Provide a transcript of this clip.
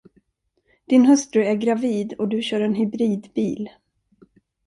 Din hustru är gravid och du kör en hybridbil.